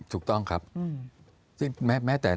ถูกต้องครับซึ่งแม้แต่